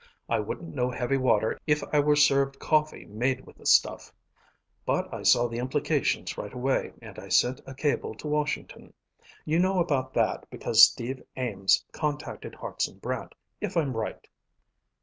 I wouldn't know heavy water if I were served coffee made with the stuff. But I saw the implications right away and I sent a cable to Washington. You know about that because Steve Ames contacted Hartson Brant, if I'm right."